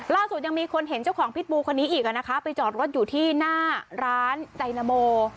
ล่าสุดยังมีคนเห็นเจ้าของพิษบูคนนี้อีกอ่ะนะคะไปจอดรถอยู่ที่หน้าร้านไดนาโม